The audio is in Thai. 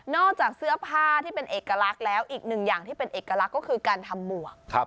จากเสื้อผ้าที่เป็นเอกลักษณ์แล้วอีกหนึ่งอย่างที่เป็นเอกลักษณ์ก็คือการทำหมวก